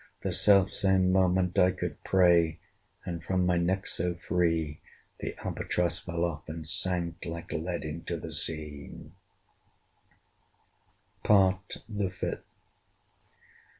The self same moment I could pray; And from my neck so free The Albatross fell off, and sank Like lead into the sea. PART THE FIFTH.